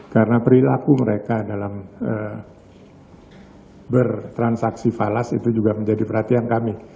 karena perilaku mereka dalam bertransaksi falas itu juga menjadi perhatian kami